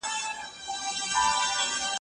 د درد درملنه لا زیاته شوې ده.